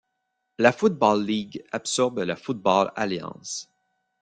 La Football League absorbe la Football Alliance.